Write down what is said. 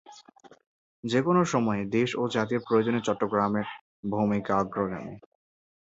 যে কোনো সময়ে দেশ ও জাতির প্রয়োজনে চট্টগ্রামের ভ‚মিকা অগ্রগামী।